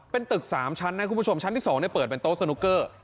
เป็นตึก๓ชั้นนะคุณผู้ชมชั้นที่๒เปิดเป็นโต๊ะสนุกเกอร์